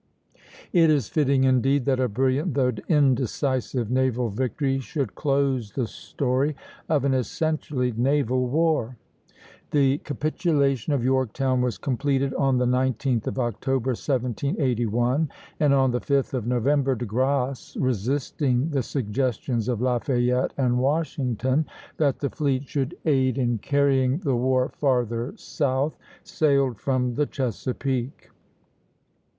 It is fitting indeed that a brilliant though indecisive naval victory should close the story of an essentially naval war. The capitulation of Yorktown was completed on the 19th of October, 1781, and on the 5th of November, De Grasse, resisting the suggestions of Lafayette and Washington that the fleet should aid in carrying the war farther south, sailed from the Chesapeake.